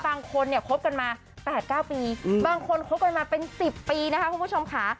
บางคนเนี่ยคบกันมา๘๙ปีบางคนคบกันมาเป็น๑๐ปีนะคะคุณผู้ชมค่ะ